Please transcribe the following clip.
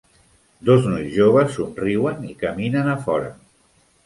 Dos nois joves somriuen i caminen a fora.